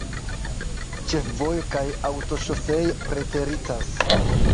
Ĉefvojo kaj aŭtoŝoseo preteriras.